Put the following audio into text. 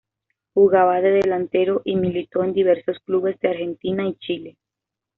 Jugaba de delantero y militó en diversos clubes de Argentina y Chile.